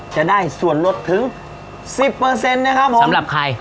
จะได้ส่วนลดถึงสิบเปอร์เซ็นต์นะครับผมสำหรับใคร